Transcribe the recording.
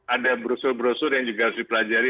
ada brosur brosur yang juga harus dipelajari